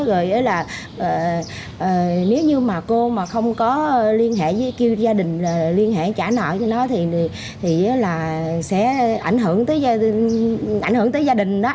rồi nói là nếu như mà cô mà không có liên hệ với kêu gia đình liên hệ trả nợ cho nó thì sẽ ảnh hưởng tới gia đình đó